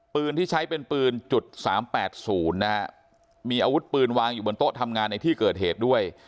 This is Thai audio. ปืนที่ใช้เป็นปืนจุด๓๘๐นะฮะมีอาวุธปืนวางอยู่บนโต๊ะทำงานในที่เกิดเหตุด้วย